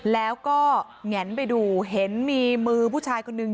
แล้วก็แงนไปดูเห็นมีมือผู้ชายคนนึง